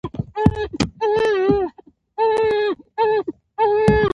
زمونږ مرغه د ګل د خوشبو معاینه کوي.